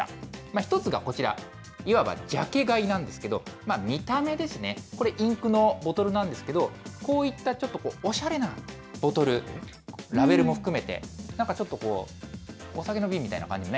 １つがこちら、いわばジャケ買いなんですけれども、見た目ですね、これ、インクのボトルなんですけど、こういったちょっとおしゃれなボトル、ラベルも含めて、なんかちょっとお酒の瓶みたいな感じ